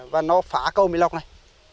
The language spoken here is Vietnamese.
và nó phá câu mỹ lộc này